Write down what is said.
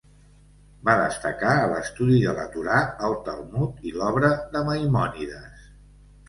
Va destacar a l'estudi de la Torà, el Talmud i l'obra de Maimònides.